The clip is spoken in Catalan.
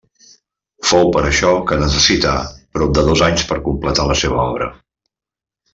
Fou per això que necessità prop dos anys per a completar la seva obra.